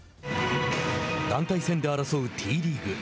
団体戦で争うＴリーグ。